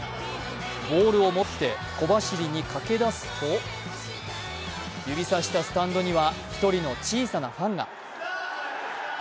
ボールを持って、小走りに駆け出すと指さしたスタンドには１人の小さなファンが。